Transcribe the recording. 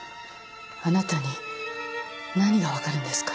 あなたに何が分かるんですか